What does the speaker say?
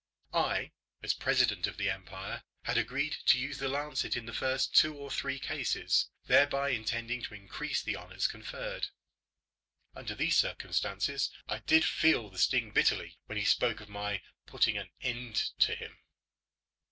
I, as president of the empire, had agreed to use the lancet in the first two or three cases, thereby intending to increase the honours conferred. Under these circumstances I did feel the sting bitterly when he spoke of my putting "an end" to him.